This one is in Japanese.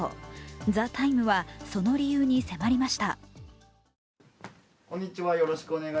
「ＴＨＥＴＩＭＥ，」はその理由に迫りました。